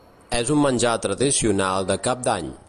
És un menjar tradicional de cap d'any.